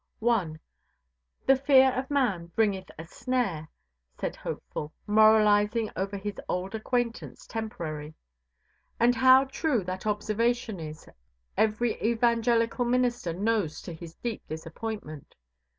1. The fear of man bringeth a snare, said Hopeful, moralising over his old acquaintance Temporary. And how true that observation is every evangelical minister knows to his deep disappointment.